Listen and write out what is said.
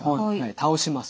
倒します。